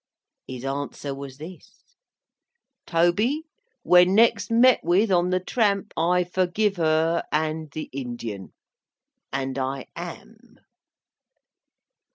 His answer was this: "Toby, when next met with on the tramp, I forgive her and the Indian. And I am."